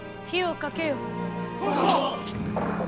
はっ！